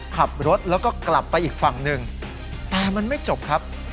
ขับรถแล้วก็กลับไปอีกฝั่งหนึ่งแต่มันไม่จบครับ